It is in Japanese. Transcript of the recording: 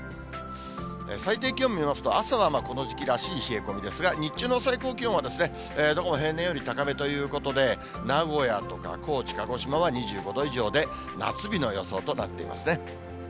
最低気温見ますと、朝はこの時期らしい冷え込みですが、日中の最高気温はどこも平年より高めということで、名古屋とか高知、鹿児島は２５度以上で、夏日の予想となっていますね。